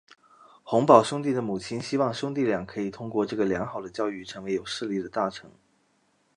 洪堡兄弟的母亲希望兄弟俩可以通过这个良好的教育成为有势力的大臣。